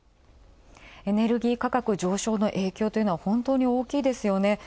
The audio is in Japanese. エネルギー価格、上昇の影響は本当に大きいですよね。